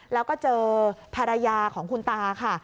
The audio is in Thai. แล้วก็เจอภรรยาของคุณตาค่ะ